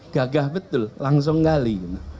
gagah betul langsung gali